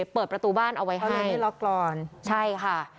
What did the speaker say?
เปิดประตูบ้านเอาไว้ให้เอาไว้ที่ละกรอนใช่ค่ะ